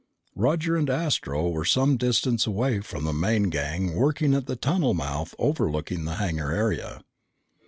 Roger and Astro were some distance away from the main gang, working at the tunnel mouth overlooking the hangar area.